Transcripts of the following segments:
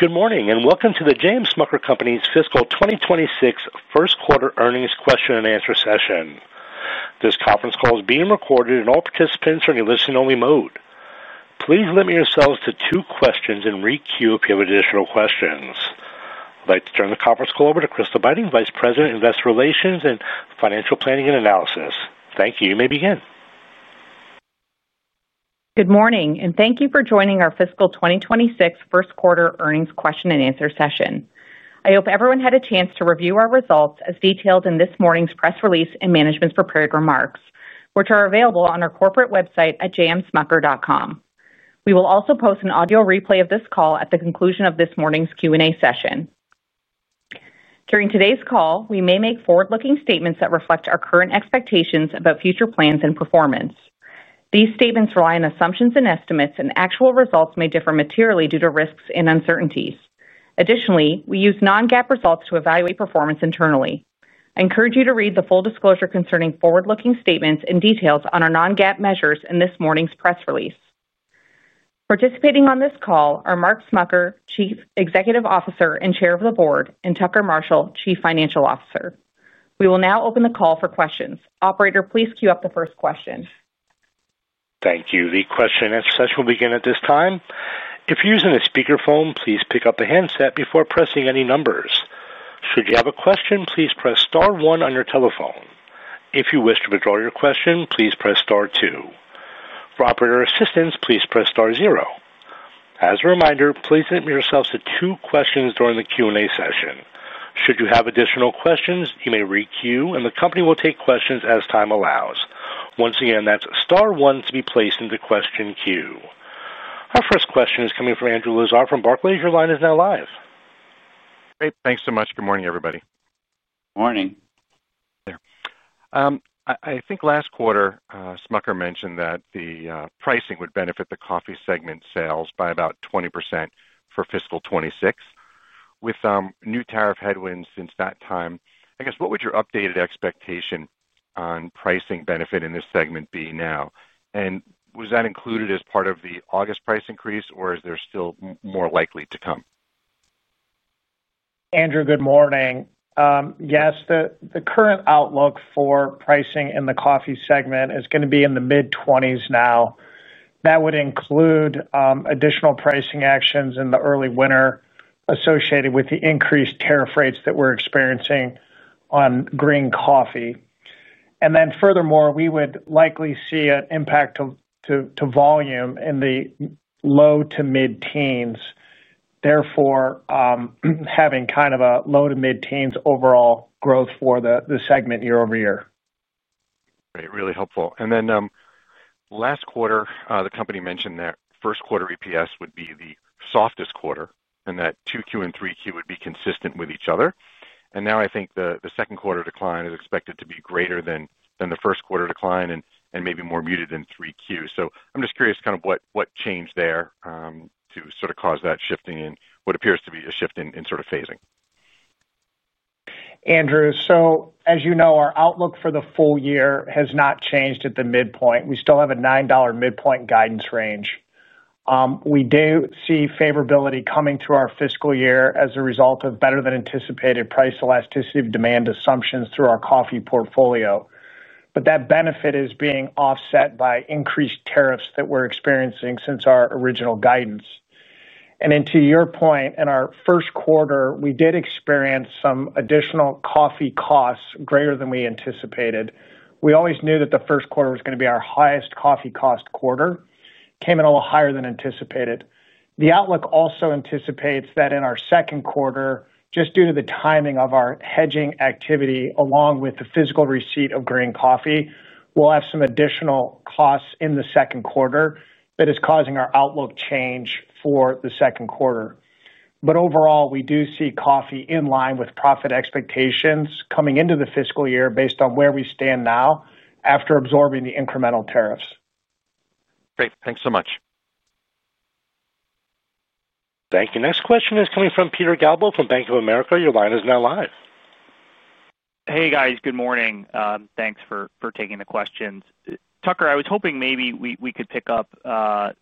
Good morning and welcome to The J.M. Smucker Co.'s Fiscal 2026 First Quarter Earnings Question-and-Answer Session. This conference call is being recorded, and all participants are in a listen-only mode. Please limit yourselves to two questions and re-queue if you have additional questions. I'd like to turn the conference call over to Crystal Beiting, Vice President, Investor Relations and Financial Planning and Analysis. Thank you. You may begin. Good morning and thank you for joining our Fiscal 2026 First Quarter Earnings Question-and-Answer Session. I hope everyone had a chance to review our results as detailed in this morning's press release and management's prepared remarks, which are available on our corporate website at jmsmucker.com. We will also post an audio replay of this call at the conclusion of this morning's Q&A session. During today's call, we may make forward-looking statements that reflect our current expectations about future plans and performance. These statements rely on assumptions and estimates, and actual results may differ materially due to risks and uncertainties. Additionally, we use non-GAAP results to evaluate performance internally. I encourage you to read the full disclosure concerning forward-looking statements and details on our non-GAAP measures in this morning's press release. Participating on this call are Mark Smucker, Chief Executive Officer and Chair of the Board, and Tucker Marshall, Chief Financial Officer. We will now open the call for questions. Operator, please queue up the first question. Thank you. The question-and answer session will begin at this time. If you're using a speakerphone, please pick up a headset before pressing any numbers. Should you have a question, please press star one on your telephone. If you wish to withdraw your question, please press star two. For operator assistance, please press star zero. As a reminder, please limit yourselves to two questions during the Q&A session. Should you have additional questions, you may re-queue and the company will take questions as time allows. Once again, that's star one to be placed into question queue. Our first question is coming from Andrew Lazar. From Barclays, your line is now live. Great, thanks so much. Good morning, everybody. Morning. I think last quarter, Smucker mentioned that the pricing would benefit the coffee segment sales by about 20% for fiscal 2026. With new tariff headwinds since that time, what would your updated expectation on pricing benefit in this segment be now? Was that included as part of the August price increase, or is there still more likely to come? Andrew, good morning. Yes, the current outlook for pricing in the coffee segment is going to be in the mid 20% now. That would include additional pricing actions in the early winter associated with the increased tariff rates that we're experiencing on green coffee. Furthermore, we would likely see an impact to volume in the low to mid-teens, therefore, having kind of a low to mid-teens overall growth for the segment year-over-year. Great. Really helpful. Last quarter, the company mentioned that first quarter EPS would be the softest quarter and that Q2 and Q3 would be consistent with each other. Now I think the second quarter decline is expected to be greater than the first quarter decline and maybe more muted than Q3. I'm just curious kind of what changed there to sort of cause that shifting in what appears to be a shift in sort of phasing. As you know, our outlook for the full year has not changed at the midpoint. We still have a $9 midpoint guidance range. We do see favorability coming through our fiscal year as a result of better than anticipated price elasticity of demand assumptions through our coffee portfolio. That benefit is being offset by increased tariffs that we're experiencing since our original guidance. To your point, in our first quarter, we did experience some additional coffee costs greater than we anticipated. We always knew that the first quarter was going to be our highest coffee cost quarter, came in a little higher than anticipated. The outlook also anticipates that in our second quarter, just due to the timing of our hedging activity along with the physical receipt of green coffee, we'll have some additional costs in the second quarter that is causing our outlook change for the second quarter. Overall, we do see coffee in line with profit expectations coming into the fiscal year based on where we stand now after absorbing the incremental tariffs. Great. Thanks so much. Thank you. Next question is coming from Peter Galbo from Bank of America. Your line is now live. Hey guys, good morning. Thanks for taking the questions. Tucker, I was hoping maybe we could pick up on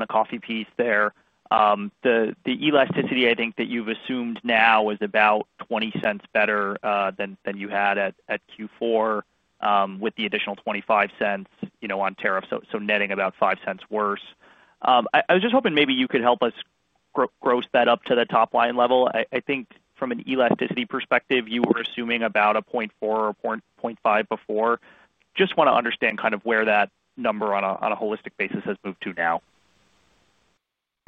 the coffee piece there. The elasticity, I think, that you've assumed now is about $0.20 better than you had at Q4 with the additional $0.25 on tariffs. Netting about $0.05 worse. I was just hoping maybe you could help us gross that up to the top line level. I think from an elasticity perspective, you were assuming about a 0.4 or 0.5 before. Just want to understand kind of where that number on a holistic basis has moved to now.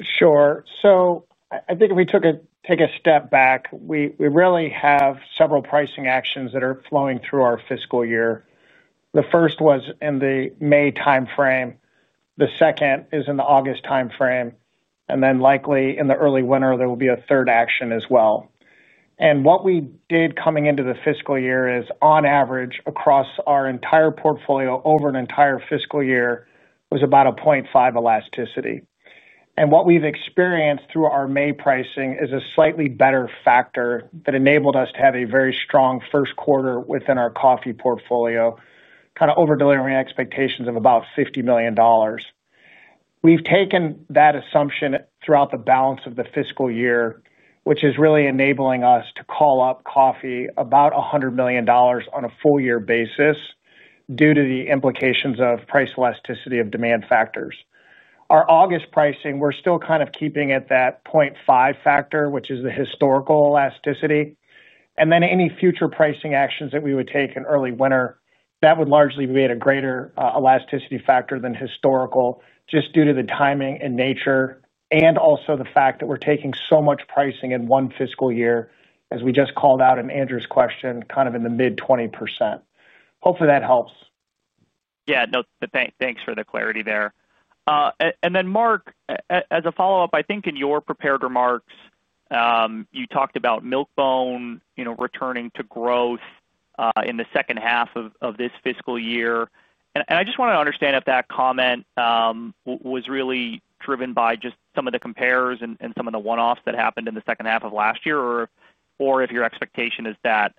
Sure. I think if we take a step back, we really have several pricing actions that are flowing through our fiscal year. The first was in the May timeframe. The second is in the August timeframe. Likely in the early winter, there will be a third action as well. What we did coming into the fiscal year is, on average across our entire portfolio over an entire fiscal year, was about a 0.5 elasticity. What we've experienced through our May pricing is a slightly better factor that enabled us to have a very strong first quarter within our coffee portfolio, kind of over-delivering expectations of about $50 million. We've taken that assumption throughout the balance of the fiscal year, which is really enabling us to call up coffee about $100 million on a full-year basis due to the implications of price elasticity of demand factors. Our August pricing, we're still kind of keeping at that 0.5 factor, which is the historical elasticity. Any future pricing actions that we would take in early winter would largely be at a greater elasticity factor than historical, just due to the timing and nature and also the fact that we're taking so much pricing in one fiscal year, as we just called out in Andrew's question, kind of in the mid 20%. Hopefully, that helps. Yeah, no, thanks for the clarity there. Mark, as a follow-up, I think in your prepared remarks, you talked about Milk-Bone returning to growth in the second half of this fiscal year. I just want to understand if that comment was really driven by just some of the comparers and some of the one-offs that happened in the second half of last year, or if your expectation is that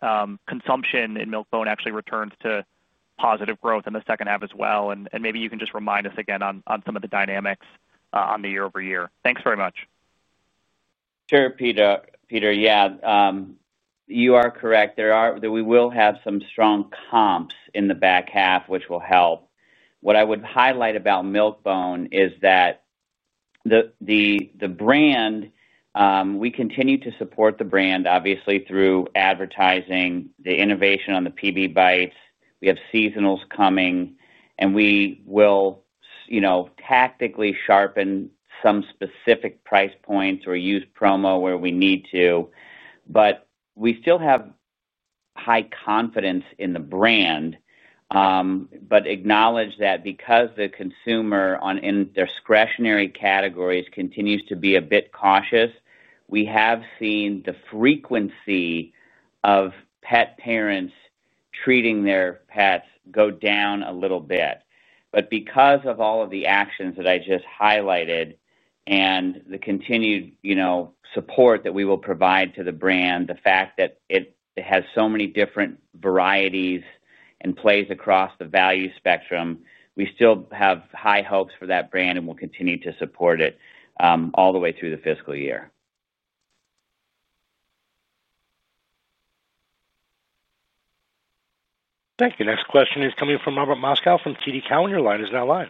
consumption in Milk-Bone actually returns to positive growth in the second half as well, and maybe you can just remind us again on some of the dynamics on the year-over-year. Thanks very much. Sure, Peter. Yeah, you are correct. We will have some strong comps in the back half, which will help. What I would highlight about Milk-Bone is that the brand, we continue to support the brand, obviously, through advertising, the innovation on the PB bites. We have seasonals coming, and we will, you know, tactically sharpen some specific price points or use promo where we need to. We still have high confidence in the brand, but acknowledge that because the consumer in discretionary categories continues to be a bit cautious, we have seen the frequency of pet parents treating their pets go down a little bit. Because of all of the actions that I just highlighted and the continued, you know, support that we will provide to the brand, the fact that it has so many different varieties and plays across the value spectrum, we still have high hopes for that brand and will continue to support it all the way through the fiscal year. Thank you. Next question is coming from Robert Moskow from TD Cowen. Your line is now live.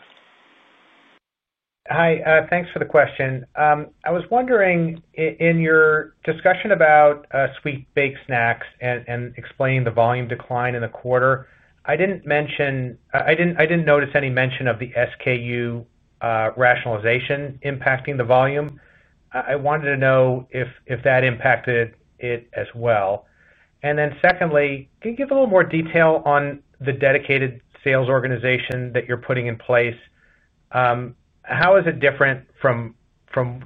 Hi, thanks for the question. I was wondering, in your discussion about sweet-baked snacks and explaining the volume decline in the quarter, I didn't notice any mention of the SKU rationalization impacting the volume. I wanted to know if that impacted it as well. Secondly, can you give a little more detail on the dedicated sales organization that you're putting in place? How is it different from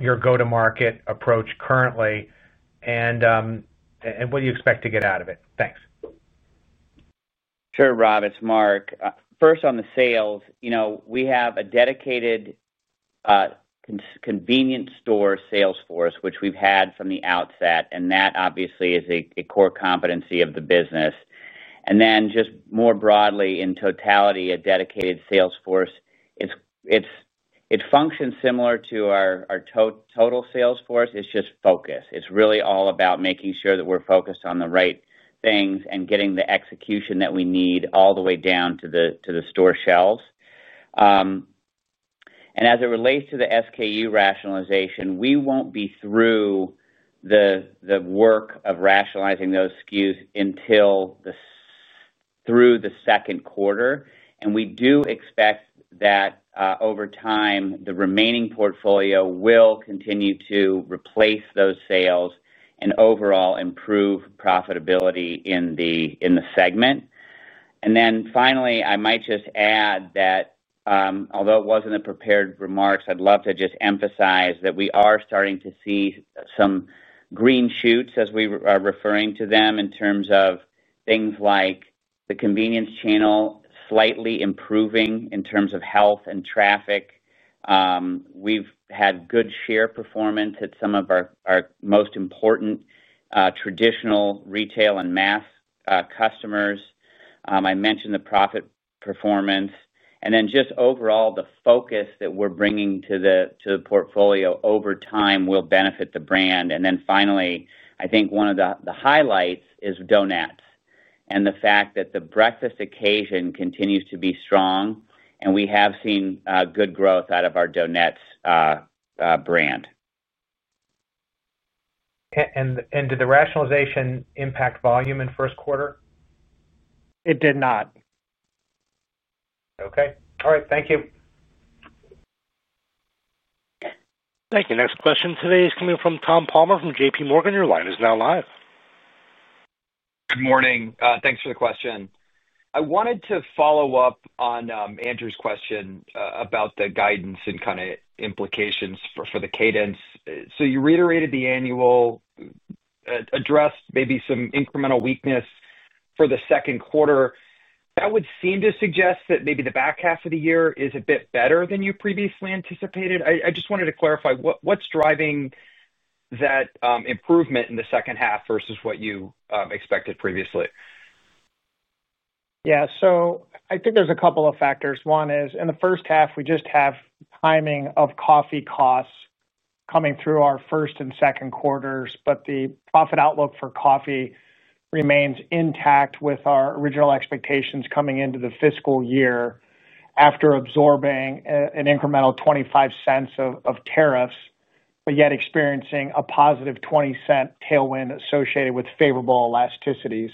your go-to-market approach currently? What do you expect to get out of it? Thanks. Sure, Rob. It's Mark. First on the sales, we have a dedicated convenience store sales force, which we've had from the outset, and that obviously is a core competency of the business. More broadly, in totality, a dedicated sales force functions similar to our total sales force. It's just focused. It's really all about making sure that we're focused on the right things and getting the execution that we need all the way down to the store shelves. As it relates to the SKU rationalization, we won't be through the work of rationalizing those SKUs through the second quarter. We do expect that over time, the remaining portfolio will continue to replace those sales and overall improve profitability in the segment. Finally, I might just add that although it wasn't a prepared remark, I'd love to just emphasize that we are starting to see some green shoots, as we are referring to them, in terms of things like the convenience channel slightly improving in terms of health and traffic. We've had good share performance at some of our most important traditional retail and mass customers. I mentioned the profit performance. Overall, the focus that we're bringing to the portfolio over time will benefit the brand. Finally, I think one of the highlights is donuts and the fact that the breakfast occasion continues to be strong. We have seen good growth out of our donuts brand. Did the rationalization impact volume in the first quarter? It did not. Okay. All right. Thank you. Thank you. Next question today is coming from Tom Palmer from JPMorgan. Your line is now live. Good morning. Thanks for the question. I wanted to follow up on Andrew's question about the guidance and kind of implications for the cadence. You reiterated the annual address, maybe some incremental weakness for the second quarter. That would seem to suggest that maybe the back half of the year is a bit better than you previously anticipated. I just wanted to clarify what's driving that improvement in the second half versus what you expected previously. Yeah. I think there's a couple of factors. One is in the first half, we just have timing of coffee costs coming through our first and second quarters, but the profit outlook for coffee remains intact with our original expectations coming into the fiscal year after absorbing an incremental $0.25 of tariffs, yet experiencing a positive $0.20 tailwind associated with favorable elasticities.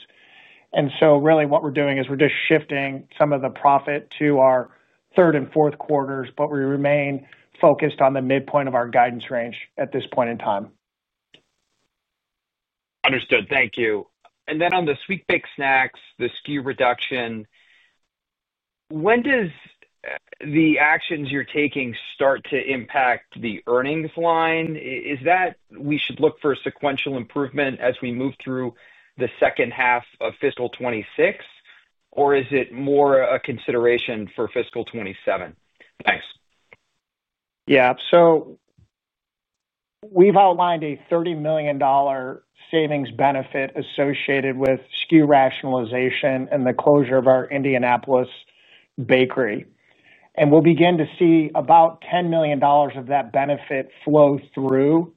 Really what we're doing is just shifting some of the profit to our third and fourth quarters, but we remain focused on the midpoint of our guidance range at this point in time. Understood. Thank you. On the sweet-baked snacks, the SKU reduction, when do the actions you're taking start to impact the earnings line? Is that we should look for a sequential improvement as we move through the second half of fiscal 2026, or is it more a consideration for fiscal 2027? Yeah. We've outlined a $30 million savings benefit associated with SKU rationalization and the closure of our Indianapolis bakery. We'll begin to see about $10 million of that benefit flow through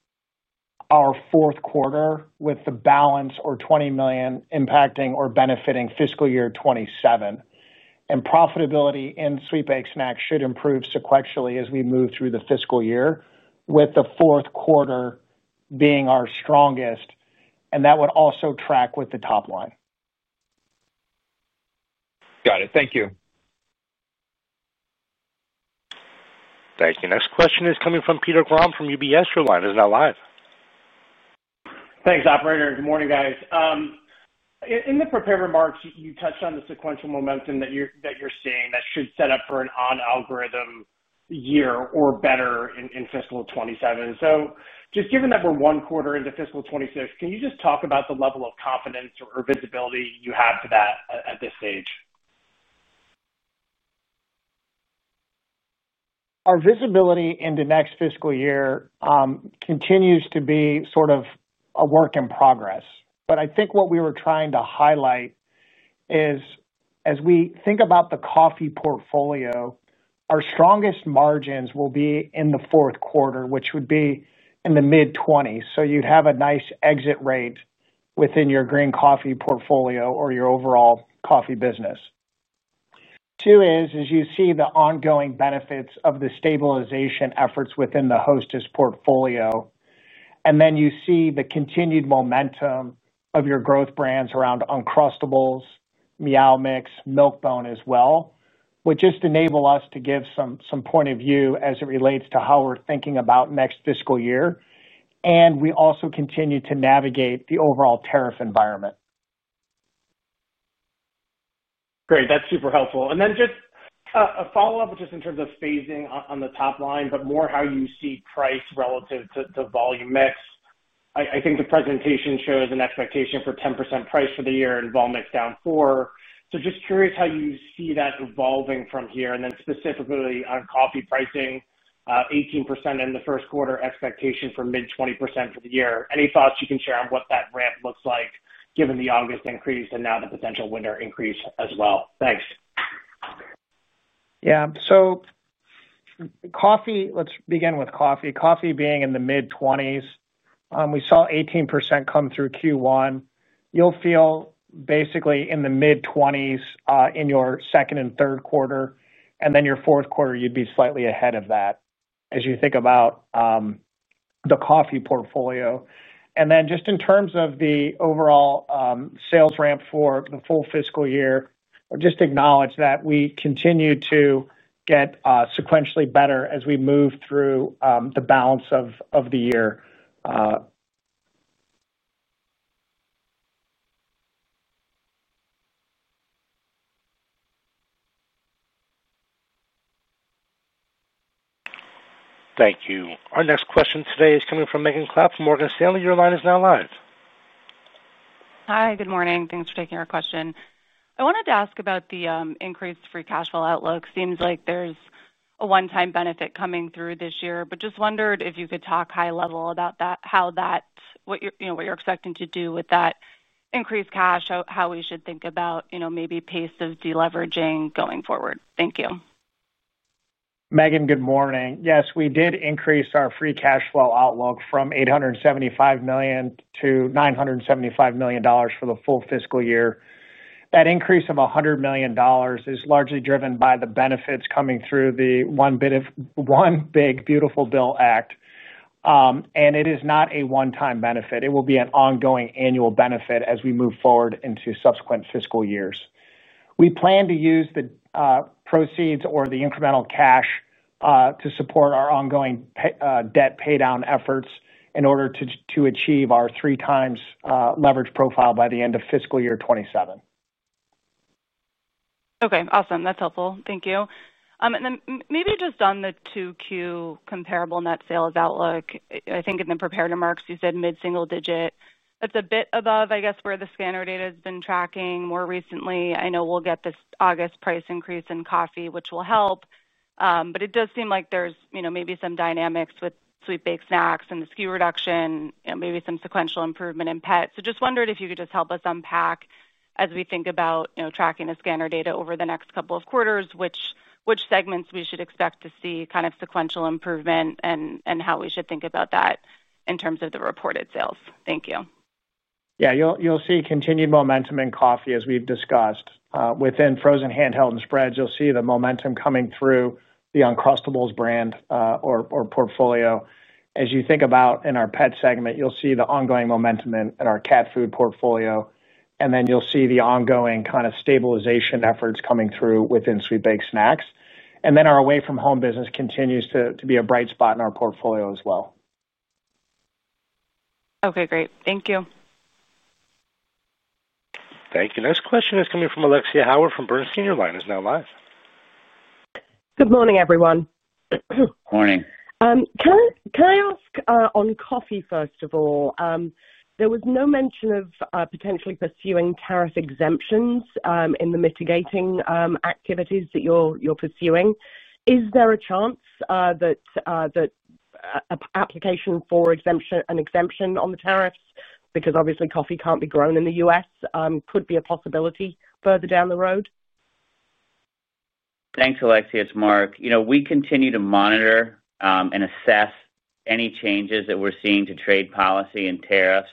our fourth quarter, with the balance, or $20 million, impacting or benefiting fiscal year 2027. Profitability in sweet-baked snacks should improve sequentially as we move through the fiscal year, with the fourth quarter being our strongest, and that would also track with the top line. Got it. Thank you. Thank you. Next question is coming from Peter Graham from UBS. Your line is now live. Thanks, operator. Good morning, guys. In the prepared remarks, you touched on the sequential momentum that you're seeing that should set up for an on-algorithm year or better in fiscal 2027. Just given that we're one quarter into fiscal 2026, can you talk about the level of confidence or visibility you have for that at this stage? Our visibility into next fiscal year continues to be sort of a work in progress. I think what we were trying to highlight is, as we think about the coffee portfolio, our strongest margins will be in the fourth quarter, which would be in the mid 20%. You'd have a nice exit rate within your green coffee portfolio or your overall coffee business. As you see the ongoing benefits of the stabilization efforts within the Hostess portfolio, you see the continued momentum of your growth brands around Uncrustables, Meow Mix, Milk-Bone as well, which just enable us to give some point of view as it relates to how we're thinking about next fiscal year. We also continue to navigate the overall tariff environment. Great. That's super helpful. Just a follow-up, which is in terms of phasing on the top line, but more how you see price relative to volume mix. I think the presentation shows an expectation for 10% price for the year and volume down 4%. Just curious how you see that evolving from here. Specifically on coffee pricing, 18% in the first quarter, expectation for mid 20% for the year. Any thoughts you can share on what that ramp looks like given the August increase and now the potential winter increase as well? Thanks. Let's begin with coffee. Coffee being in the mid 20%. We saw 18% come through Q1. You'll feel basically in the mid 20% in your second and third quarter, and then your fourth quarter, you'd be slightly ahead of that as you think about the coffee portfolio. In terms of the overall sales ramp for the full fiscal year, I just acknowledge that we continue to get sequentially better as we move through the balance of the year. Thank you. Our next question today is coming from Megan Clapp from Morgan Stanley. Your line is now live. Hi. Good morning. Thanks for taking our question. I wanted to ask about the increased free cash flow outlook. Seems like there's a one-time benefit coming through this year, but just wondered if you could talk high-level about that, how that, what you're expecting to do with that increased cash, how we should think about maybe pace of deleveraging going forward. Thank you. Megan, good morning. Yes, we did increase our free cash flow outlook from $875 million to $975 million for the full fiscal year. That increase of $100 million is largely driven by the benefits coming through the One Big Beautiful Bill Act. It is not a one-time benefit. It will be an ongoing annual benefit as we move forward into subsequent fiscal years. We plan to use the proceeds or the incremental cash to support our ongoing debt paydown efforts in order to achieve our 3x leverage profile by the end of fiscal year 2027. Okay. Awesome. That's helpful. Thank you. Maybe just on the Q2 comparable net sales outlook, I think in the prepared remarks, you said mid-single digit. That's a bit above, I guess, where the scanner data has been tracking more recently. I know we'll get this August price increase in coffee, which will help. It does seem like there's maybe some dynamics with sweet baked snacks and the SKU reduction, maybe some sequential improvement in pets. I just wondered if you could help us unpack as we think about tracking the scanner data over the next couple of quarters, which segments we should expect to see kind of sequential improvement and how we should think about that in terms of the reported sales. Thank you. You'll see continued momentum in coffee as we've discussed. Within frozen handheld and spreads, you'll see the momentum coming through the Uncrustables brand or portfolio. As you think about in our pet segment, you'll see the ongoing momentum in our cat food portfolio. You'll see the ongoing kind of stabilization efforts coming through within sweet baked snacks. Our away-from-home business continues to be a bright spot in our portfolio as well. Okay. Great. Thank you. Thank you. Next question is coming from Alexia Howard from Bernstein. Your line is now live. Good morning, everyone. Morning. Can I ask on coffee, first of all, there was no mention of potentially pursuing tariff exemptions in the mitigating activities that you're pursuing. Is there a chance that an application for an exemption on the tariffs, because obviously coffee can't be grown in the U.S., could be a possibility further down the road? Thanks, Alexia. It's Mark. We continue to monitor and assess any changes that we're seeing to trade policy and tariffs.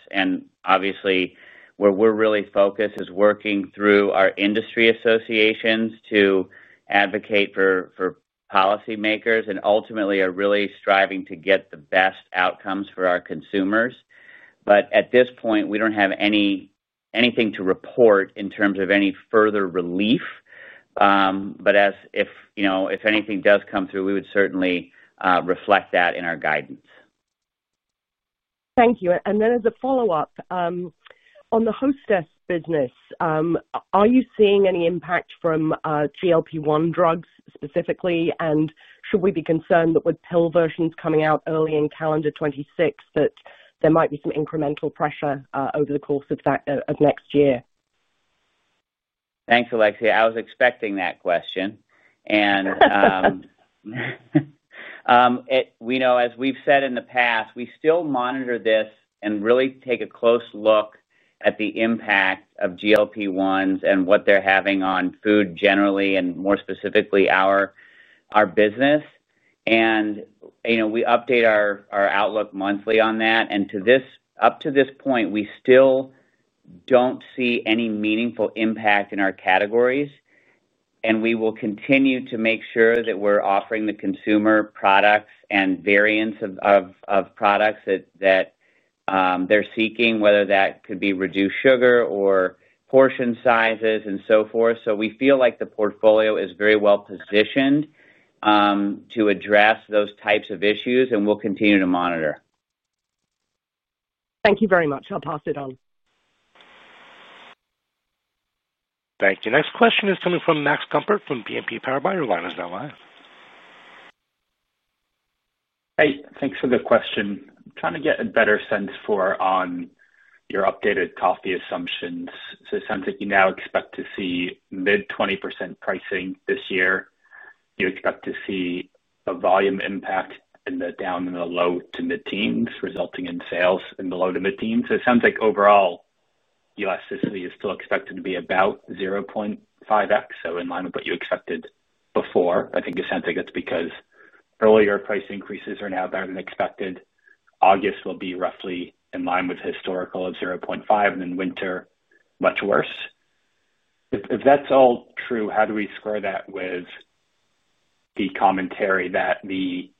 Obviously, where we're really focused is working through our industry associations to advocate for policymakers and ultimately are really striving to get the best outcomes for our consumers. At this point, we don't have anything to report in terms of any further relief. If anything does come through, we would certainly reflect that in our guidance. Thank you. As a follow-up, on the Hostess business, are you seeing any impact from GLP-1 drugs specifically? Should we be concerned that with pill versions coming out early in calendar 2026, there might be some incremental pressure over the course of next year? Thanks, Alexia. I was expecting that question. We know, as we've said in the past, we still monitor this and really take a close look at the impact of GLP-1s and what they're having on food generally and more specifically our business. You know, we update our outlook monthly on that. Up to this point, we still don't see any meaningful impact in our categories. We will continue to make sure that we're offering the consumer products and variants of products that they're seeking, whether that could be reduced sugar or portion sizes and so forth. We feel like the portfolio is very well positioned to address those types of issues, and we'll continue to monitor. Thank you very much. I'll pass it on. Thank you. Next question is coming from Max Gumport from BNP Paribas. Your line is now live. Hey, thanks for the question. Trying to get a better sense for on your updated coffee assumptions. It sounds like you now expect to see mid 20% pricing this year. You expect to see a volume impact down in the low to mid-teens, resulting in sales in the low to mid-teens. It sounds like overall elasticity is still expected to be about 0.5x, in line with what you expected before. I think it sounds like that's because earlier price increases are now better than expected. August will be roughly in line with the historical of 0.5x, and then winter much worse. If that's all true, how do we square that with the commentary that the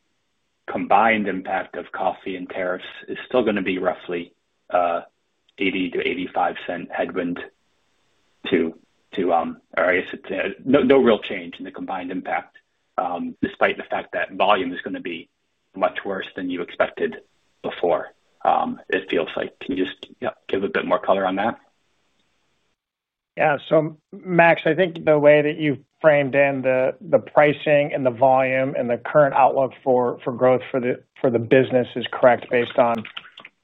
combined impact of coffee and tariffs is still going to be roughly $0.80-$0.85 headwind to, or I guess it's no real change in the combined impact, despite the fact that volume is going to be much worse than you expected before, it feels like. Can you just give a bit more color on that? Yeah. Max, I think the way that you framed in the pricing and the volume and the current outlook for growth for the business is correct based on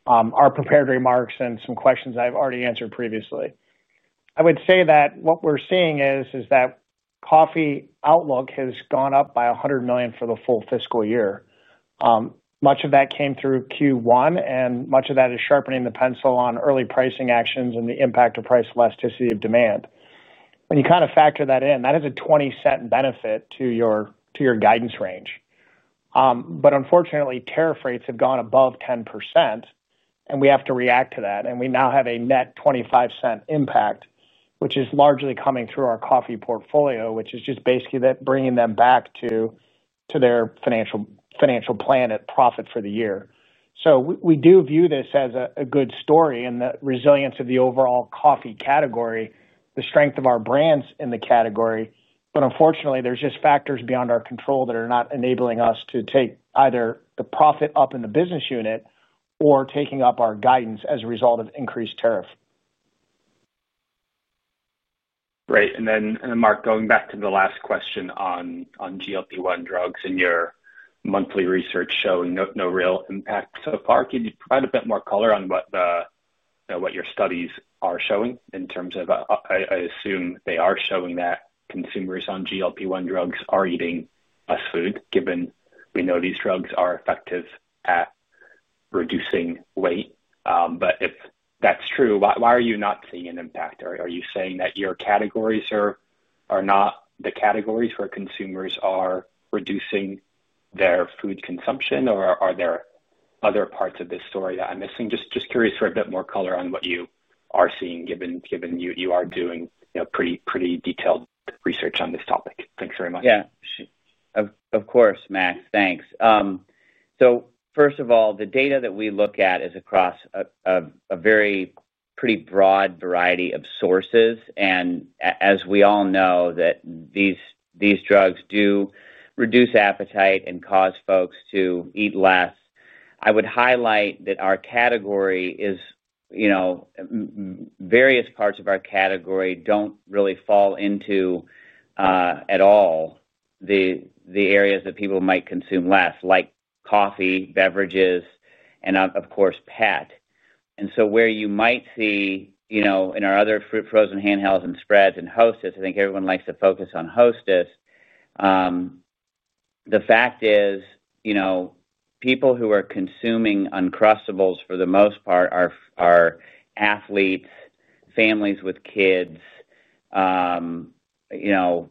our prepared remarks and some questions I've already answered previously. I would say that what we're seeing is that coffee outlook has gone up by $100 million for the full fiscal year. Much of that came through Q1, and much of that is sharpening the pencil on early pricing actions and the impact of price elasticity of demand. When you kind of factor that in, that is a $0.20 benefit to your guidance range. Unfortunately, tariff rates have gone above 10%, and we have to react to that. We now have a net $0.25 impact, which is largely coming through our coffee portfolio, which is just basically bringing them back to their financial plan at profit for the year. We do view this as a good story in the resilience of the overall coffee category, the strength of our brands in the category. Unfortunately, there's just factors beyond our control that are not enabling us to take either the profit up in the business unit or taking up our guidance as a result of increased tariff. Right. Mark, going back to the last question on GLP-1 drugs and your monthly research showing no real impact so far, can you provide a bit more color on what your studies are showing in terms of, I assume they are showing that consumers on GLP-1 drugs are eating less food, given we know these drugs are effective at reducing weight. If that's true, why are you not seeing an impact? Are you saying that your categories are not the categories where consumers are reducing their food consumption, or are there other parts of this story that I'm missing? Just curious for a bit more color on what you are seeing, given you are doing pretty detailed research on this topic. Thanks very much. Yeah. Of course, Max. Thanks. First of all, the data that we look at is across a pretty broad variety of sources. As we all know, these drugs do reduce appetite and cause folks to eat less. I would highlight that our category is, you know, various parts of our category don't really fall into at all the areas that people might consume less, like coffee, beverages, and of course, pet. Where you might see, you know, in our other frozen handhelds and spreads and Hostess, I think everyone likes to focus on Hostess. The fact is, you know, people who are consuming Uncrustables for the most part are athletes, families with kids, you know,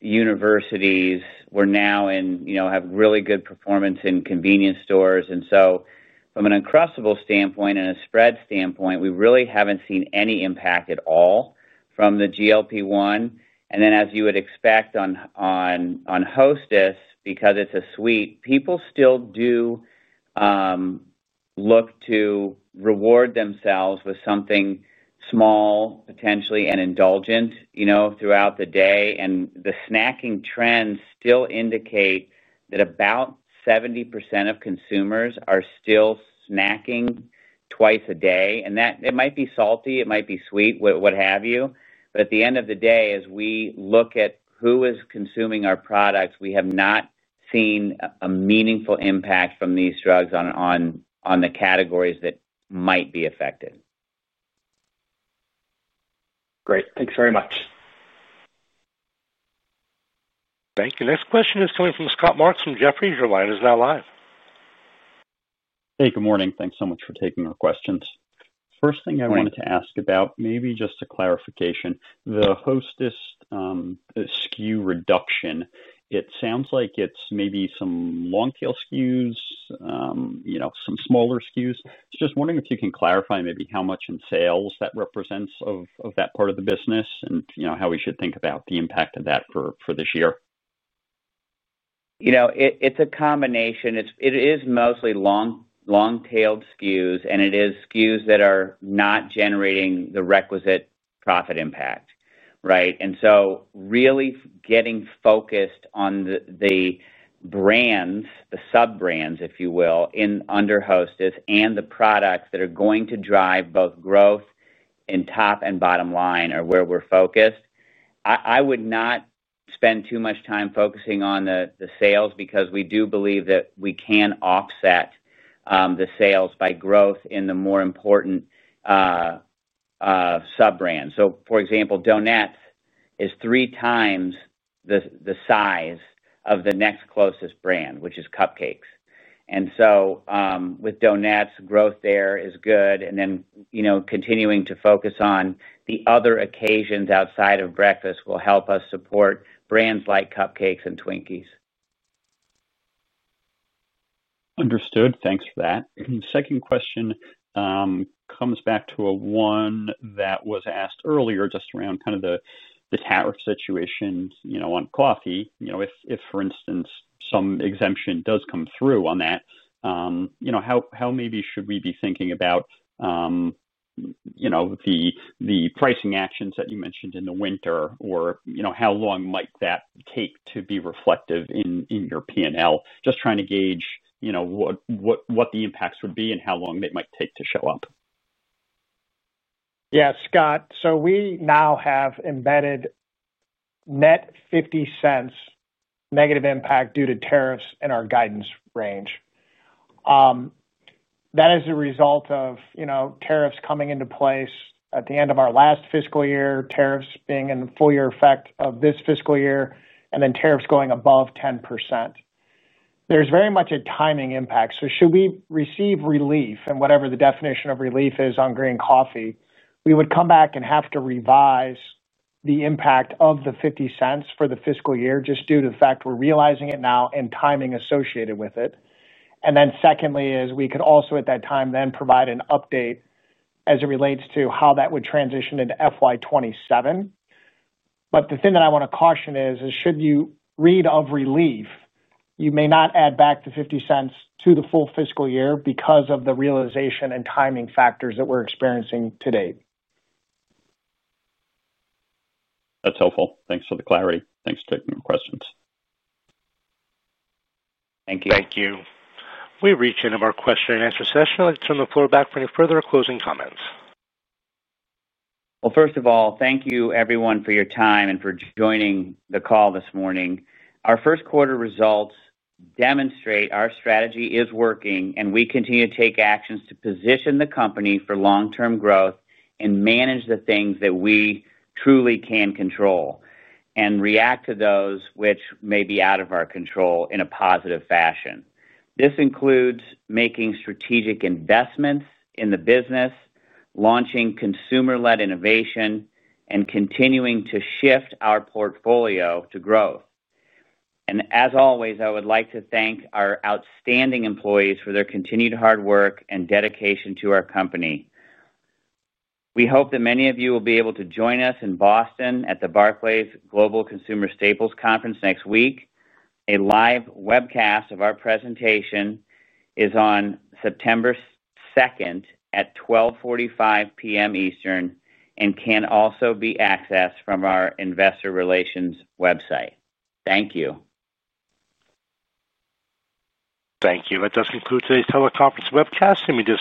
universities. We're now in, you know, have really good performance in convenience stores. From an Uncrustables standpoint and a spread standpoint, we really haven't seen any impact at all from the GLP-1. As you would expect on Hostess, because it's a sweet, people still do look to reward themselves with something small, potentially an indulgent, you know, throughout the day. The snacking trends still indicate that about 70% of consumers are still snacking twice a day. It might be salty, it might be sweet, what have you. At the end of the day, as we look at who is consuming our products, we have not seen a meaningful impact from these drugs on the categories that might be affected. Great, thanks very much. Thank you. Next question is coming from Scott Marks from Jefferies. Your line is now live. Hey, good morning. Thanks so much for taking our questions. First thing I wanted to ask about, maybe just a clarification, the Hostess SKU reduction, it sounds like it's maybe some long-tail SKUs, you know, some smaller SKUs. I was just wondering if you can clarify maybe how much in sales that represents of that part of the business and, you know, how we should think about the impact of that for this year. You know, it's a combination. It is mostly long-tailed SKUs, and it is SKUs that are not generating the requisite profit impact, right? Really getting focused on the brands, the sub-brands, if you will, under Hostess and the products that are going to drive both growth in top and bottom line are where we're focused. I would not spend too much time focusing on the sales because we do believe that we can offset the sales by growth in the more important sub-brands. For example, Donuts is 3x the size of the next closest brand, which is Cupcakes. With Donuts, growth there is good. Continuing to focus on the other occasions outside of breakfast will help us support brands like Cupcakes and Twinkies. Understood. Thanks for that. Second question comes back to one that was asked earlier just around the tariff situation on coffee. If, for instance, some exemption does come through on that, how should we be thinking about the pricing actions that you mentioned in the winter, or how long might that take to be reflective in your P&L? Just trying to gauge what the impacts would be and how long they might take to show up. Yeah, Scott. We now have embedded net $0.50 negative impact due to tariffs in our guidance range. That is a result of tariffs coming into place at the end of our last fiscal year, tariffs being in full-year effect of this fiscal year, and then tariffs going above 10%. There is very much a timing impact. Should we receive relief, and whatever the definition of relief is on green coffee, we would come back and have to revise the impact of the $0.50 for the fiscal year just due to the fact we're realizing it now and timing associated with it. Secondly, we could also at that time then provide an update as it relates to how that would transition into FY2027. The thing that I want to caution is should you read of relief, you may not add back the $0.50 to the full fiscal year because of the realization and timing factors that we're experiencing today. That's helpful. Thanks for the clarity. Thanks for taking your questions. Thank you. Thank you. We reach the end of our question-and-answer session. Let's turn the floor back for any further closing comments. Thank you everyone for your time and for joining the call this morning. Our first quarter results demonstrate our strategy is working, and we continue to take actions to position the company for long-term growth and manage the things that we truly can control and react to those which may be out of our control in a positive fashion. This includes making strategic investments in the business, launching consumer-led innovation, and continuing to shift our portfolio to growth. As always, I would like to thank our outstanding employees for their continued hard work and dedication to our company. We hope that many of you will be able to join us in Boston at the Barclays Global Consumer Staples Conference next week. A live webcast of our presentation is on September 2 at 12:45 P.M. Eastern and can also be accessed from our investor relations website. Thank you. Thank you. That does conclude today's teleconference webcast. You may disconnect.